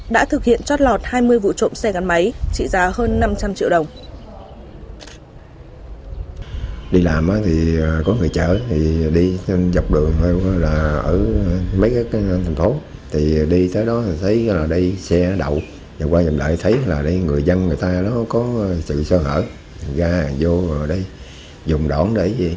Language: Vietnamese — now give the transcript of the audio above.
đã thực hiện trót lọt hai mươi vụ trộm xe cán máy trị giá hơn năm trăm linh triệu đồng